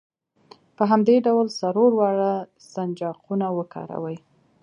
په همدې ډول څلور واړه سنجاقونه وکاروئ.